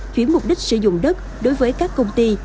chuyển mục đích sử dụng đất đối với các công ty